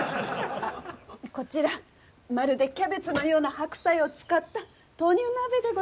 こちら「まるでキャベツのような白菜」を使った豆乳鍋でございます。